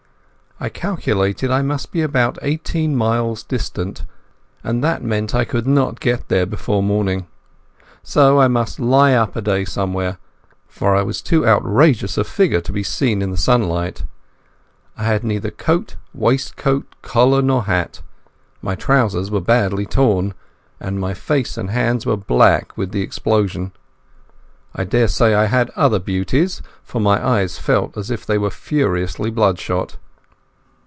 I calculated I must be about eighteen miles distant, and that meant I could not get there before morning. So I must lie up a day somewhere, for I was too outrageous a figure to be seen in the sunlight. I had neither coat, waistcoat, collar, nor hat, my trousers were badly torn, and my face and hands were black with the explosion. I daresay I had other beauties, for my eyes felt as if they were furiously bloodshot.